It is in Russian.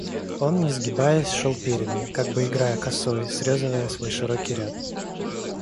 Он, не сгибаясь, шел передом, как бы играя косой, срезывая свой широкий ряд.